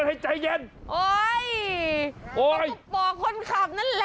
โอ้โฮแต่ไม่ยอมจอดครับ